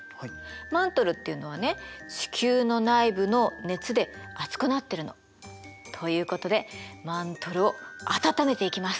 マントルっていうのはね地球の内部の熱で熱くなってるの。ということでマントルを温めていきます。